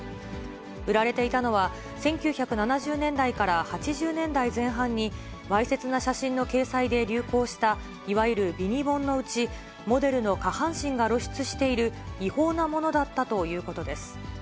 売られていたのは、１９７０年代から８０年代前半に、わいせつな写真の掲載で流行した、いわゆるビニ本のうち、モデルの下半身が露出している違法なものだったということです。